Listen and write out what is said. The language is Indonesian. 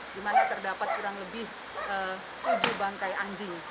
dimana terdapat kurang lebih tujuh bangkai anjing